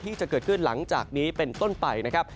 ที่จะเกิดขึ้นหลังจากนี้เป็นต้นไปนะครับ